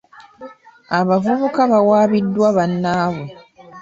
Abavubuka bawabiziddwa banaabwe.